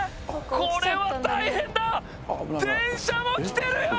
これは大変だ電車も来てるよ！